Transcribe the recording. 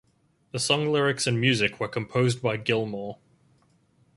The song lyrics and music were composed by Gilmour.